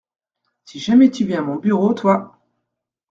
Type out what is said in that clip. Si jamais tu viens à mon bureau, toi !…